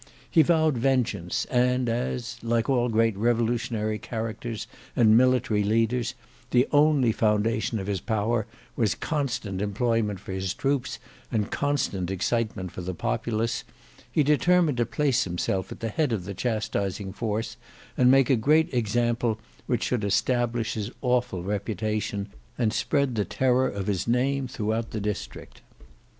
He vowed vengeance, and as, like all great revolutionary characters and military leaders, the only foundation of his power was constant employment for his troops and constant excitement for the populace, he determined to place himself at the head of the chastising force, and make a great example which should establish his awful reputation and spread the terror of his name throughout the district.